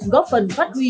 góp phần phát huy